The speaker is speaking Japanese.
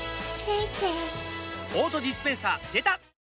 オートディスペンサーでた！